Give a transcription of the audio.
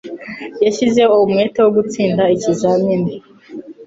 Yashyizeho umwete wo gutsinda ikizamini. (Eldad)